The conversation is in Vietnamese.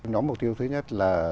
nhóm mục tiêu thứ nhất là